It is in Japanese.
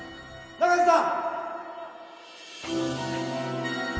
中瀬さん！